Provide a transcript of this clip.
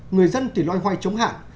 người dân thì loay hoay chống hạn